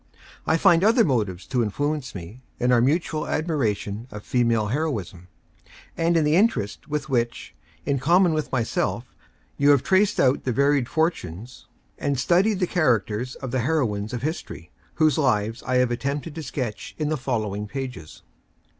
I find other motives to influ ence me, in our mutual admiration of female heroism, and in the interest with which, in common with myself, you have traced out the varied fortunes, and studied the characters, of the "Heroines of History," whose livea I have attempted to sketch in the following pages.